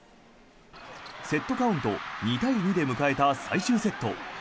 セットカウント２対２で迎えた最終セット。